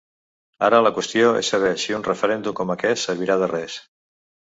Ara la qüestió és saber si un referèndum com aquest serviria de res.